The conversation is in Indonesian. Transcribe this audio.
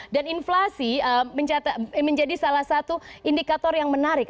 dan inflasi menjadi salah satu indikator yang menarik